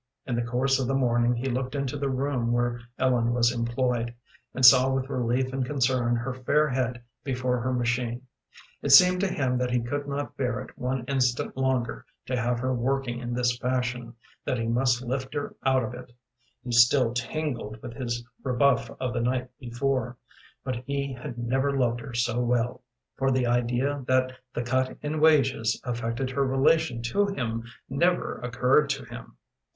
In the course of the morning he looked into the room where Ellen was employed, and saw with relief and concern her fair head before her machine. It seemed to him that he could not bear it one instant longer to have her working in this fashion, that he must lift her out of it. He still tingled with his rebuff of the night before, but he had never loved her so well, for the idea that the cut in wages affected her relation to him never occurred to him.